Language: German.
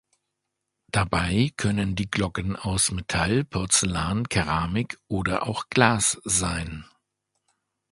Dabei können die Glocken aus Metall, Porzellan, Keramik oder auch Glas sein.